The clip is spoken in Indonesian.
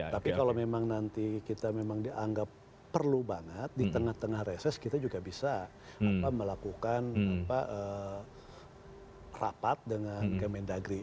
tapi kalau memang nanti kita memang dianggap perlu banget di tengah tengah reses kita juga bisa melakukan rapat dengan kementerian negeri